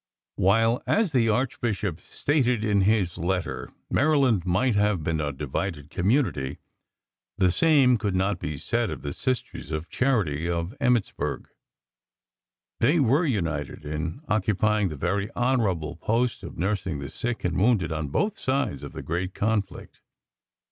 While, as the Archbishop stated in his letter, Maryland might have been a divided community, the same could not be said of the Sisters of Charity of Emmittsburg. They were united in occupying "the very honorable post of nursing the sick and wounded" on both sides of the great conflict.